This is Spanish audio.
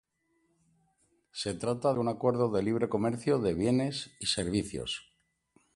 Se trata de un acuerdo de libre comercio de bienes y servicios.